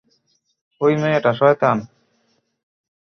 ঐ মেয়েটা শয়তান!